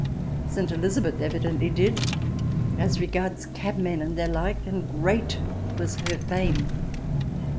St. Elizabeth evidently did, as regards cabmen and their like, and great was her fame.